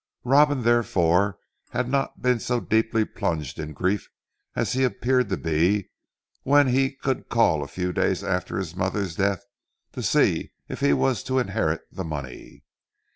Robin therefore had not been so deeply plunged in grief as he appeared to be, when he could call a few days after his mother's death to see if he was to inherit the money.